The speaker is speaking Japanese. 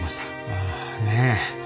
ああねえ。